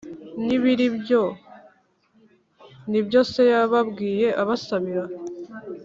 n ibiri Ibyo ni byo se yababwiye abasabira